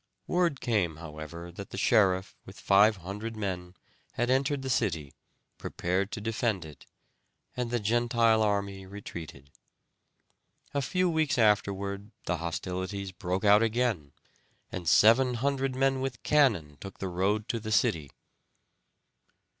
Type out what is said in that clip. Word came, however, that the sheriff, with five hundred men, had entered the city, prepared to defend it, and the Gentile army retreated. A few weeks afterward the hostilities broke out again, and seven hundred men with cannon took the road to the city.